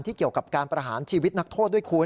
เกี่ยวกับการประหารชีวิตนักโทษด้วยคุณ